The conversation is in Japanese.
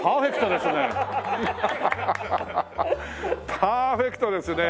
パーフェクトですね。